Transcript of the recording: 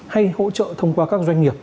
hay hỗ trợ thông qua các doanh nghiệp